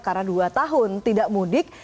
karena dua tahun tidak mudik